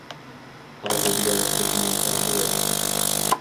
ئاغزى بىلەن كۆتىنىڭ پەرقى يوق.